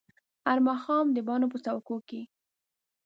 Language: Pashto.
هر ماښام د بڼو په څوکو کې